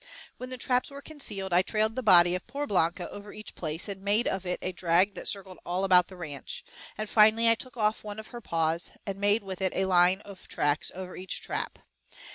When the traps were concealed I trailed the body of poor Blanca over each place, and made of it a drag that circled all about the ranch, and finally I took off one of her paws and made with it a line of tracks over each trap.